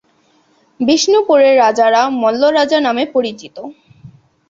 বিষ্ণুপুরের রাজারা মল্ল রাজা নামে পরিচিত।